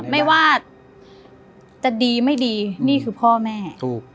ไม่ว่าจะดีไม่ดีนี่คือพ่อแม่ถูก